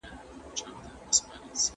خپل سي نه دوستیړي